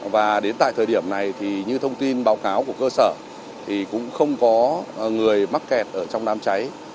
và đến tại thời điểm này thì như thông tin báo cáo của cơ sở thì cũng không có người mắc kẹt ở trong đám cháy